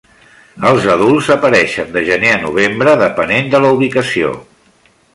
Els adults apareixen de gener a novembre, depenent de la ubicació.